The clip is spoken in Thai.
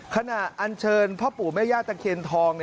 อันเชิญพ่อปู่แม่ย่าตะเคียนทอง